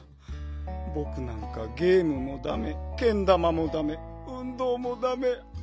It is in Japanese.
ぼくなんかゲームもダメけん玉もダメうんどうもダメ。